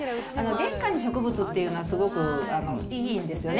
玄関に植物っていうのはすごくいいんですよね。